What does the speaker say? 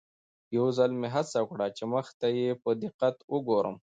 یو ځل مې هڅه وکړه چې مخ ته یې په دقت وګورم.